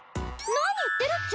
何言ってるっちゃ。